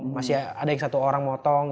masih ada satu orang yang mau